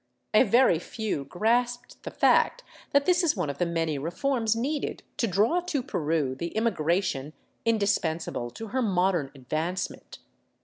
A very few grasped the fact that this is one of the many reforms needed to draw to Peru the immigration indispensable to her modern advancement.